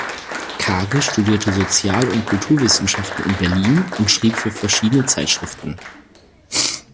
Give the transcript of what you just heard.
Kage studierte Sozial- und Kulturwissenschaften in Berlin und schrieb für verschiedene Zeitschriften.